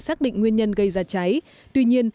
xác định nguyên nhân gây ra cháy tuy nhiên